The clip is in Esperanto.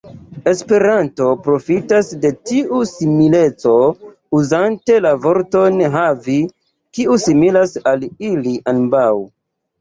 Esperanto profitas de tiu simileco uzante la vorton "havi", kiu similas al ili ambaŭ.